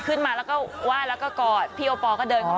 ขึ้นมาแล้วก็ไหว้แล้วก็กอดพี่โอปอลก็เดินเข้ามา